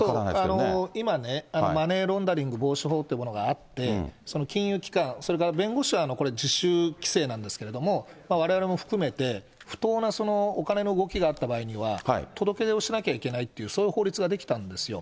今ね、マネーロンダリング防止法というものがあって、その金融機関、それから弁護士はこれ、自主規制なんですけれども、われわれも含めて、不当なお金の動きがあった場合には、届け出をしなきゃいけないという、そういう法律が出来たんですよ。